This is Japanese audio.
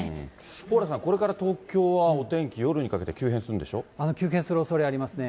蓬莱さん、これから東京はお天気、夜にかけて急変するんでし急変するおそれありますね。